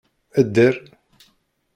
Dder!